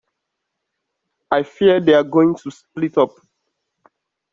I fear they're going to split up.